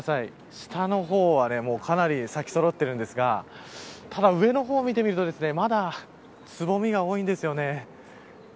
下の方はかなり咲きそろっているんですがただ、上の方を見てみるとまだつぼみが多いんですよね。